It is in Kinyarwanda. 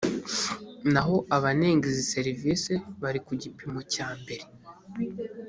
naho abanenga izi serivisi bari ku gipimo cyambere